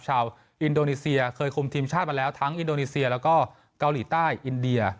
ชาวอินโดนีเซียเคยคุมทีมชาติมาแล้วทั้งอินโดนีเซียแล้วก็เกาหลีใต้อินเดีย